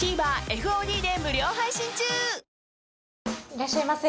いらっしゃいませ。